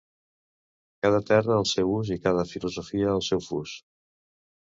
Cada terra el seu ús i cada filosa el seu fus.